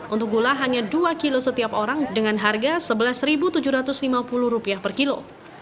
untuk gula hanya dua kilo setiap orang dengan harga rp sebelas tujuh ratus lima puluh per kilo